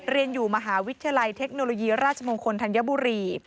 เรียนอยู่มหาวิทยาลัยเทคโนโลยีราชมงคลธัญบุรี